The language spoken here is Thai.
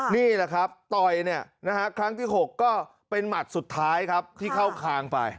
นี่แหละครับต่อยเนี่ยนะฮะครั้งที่๖ก็เป็นหมัดสุดท้ายครับที่เข้าคางไป